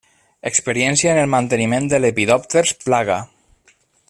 Experiència en el manteniment de Lepidòpters plaga.